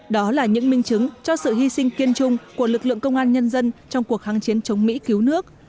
đó là những minh chứng cho sự hy sinh kiên trung của lực lượng công an nhân dân trong cuộc kháng chiến chống mỹ cứu nước